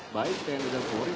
baik tn dan polri